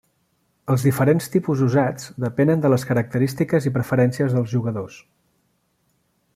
Els diferents tipus usats depenen de les característiques i preferències dels jugadors.